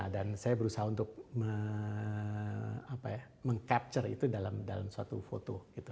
saya berusaha untuk meng capture itu dalam suatu foto gitu